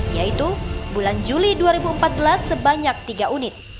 yaitu bulan juli dua ribu empat belas sebanyak tiga unit